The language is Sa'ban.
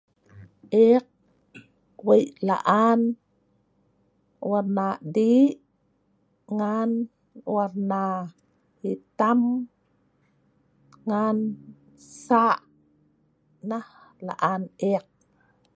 Eek weik laan warna di', ngan warna hitam ngan sak. Nah laan eek.